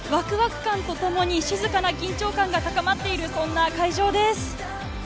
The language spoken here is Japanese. ワクワク感とともに静かな緊張感が高まっているそんな会場です。